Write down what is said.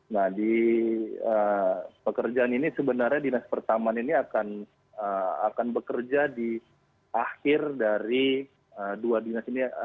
nah di pekerjaan ini sebenarnya dinas pertamanan ini akan bekerja di akhir dari dua dinas ini